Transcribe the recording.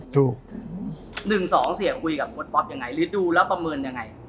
ถูกต้อง๑๒เสียคุยกับโค้ดป๊อปยังไงหรือดูแล้วประเมินยังไง